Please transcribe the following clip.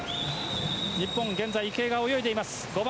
日本、現在池江が泳いでいる。